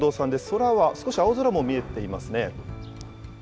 空は少し青空も見えていますね。